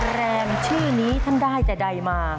รามชื่อนี้ท่านได้ใจไหม